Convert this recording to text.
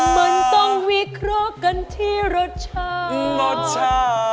มันต้องวิเคราะห์กันที่รสชาติ